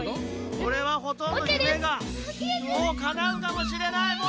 これはほとんど夢がもうかなうかもしれない。